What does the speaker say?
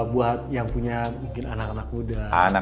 buat yang punya mungkin anak anak muda